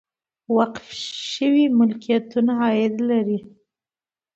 وقف شوي ملکیتونه عاید لري